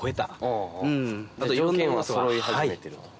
条件はそろい始めてると？